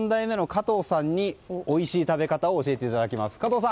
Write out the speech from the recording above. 加藤さん！